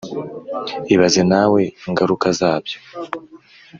ibaze nawe ingaruka zabyo